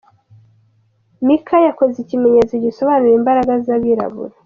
Micah yakoze ikimenyetso gisobanura 'imbaraga z'abirabura'.